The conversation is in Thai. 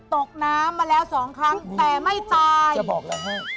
ตกน้ำมาแล้วสองครั้งแต่ไม่ตาย